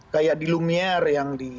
kayak di lumier yang di